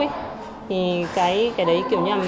thì cái đấy kiểu như là